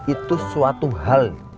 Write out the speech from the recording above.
itu suatu hal